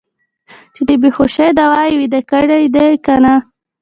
چې د بې هوشۍ دوا یې ویده کړي دي که نه.